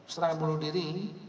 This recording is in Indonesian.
serangan bunuh diri